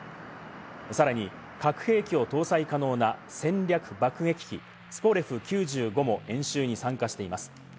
さらに核兵器を搭載可能な戦略爆撃機「ツポレフ９５」も演習に参加しています。